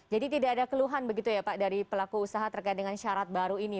jadi tidak ada keluhan begitu ya pak dari pelaku usaha terkait dengan syarat baru ini